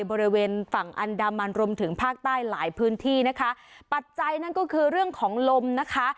บริเวณฝั่งอันดามันรวมถึงภาคใต้หลายพื้นที่นะคะปัจจัยนั่นก็คือเรื่องของลมนะคะ